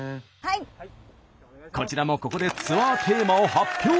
こちらもここでツアーテーマを発表！